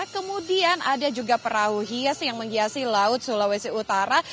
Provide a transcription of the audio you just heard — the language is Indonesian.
kemudian ada juga perahu hias yang menghiasi laut sulawesi utara